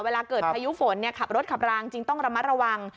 เวลาเกิดพายุฝนขับรถขับรางจึงต้องระมัดระวัง